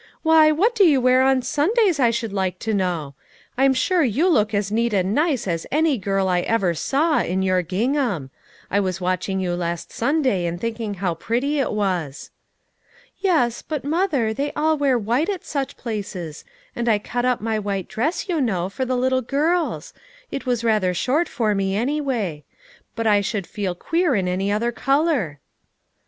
Why, what do you wear on Sundays, I should like to know ? I'm sure you look as neat and nice as any girl I ever saw, in your gingham. I was watching you last Sunday and thinking how pretty it was." "Yes; but, mother, they all wear white at such places ; and I cut up my white dress, you know, for the little girls ; it was rather short for me anyway; brft I should feel queer in any other color."